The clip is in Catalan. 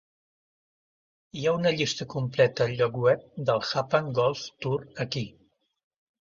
Hi ha una llista completa al lloc web del Japan Golf Tour aquí.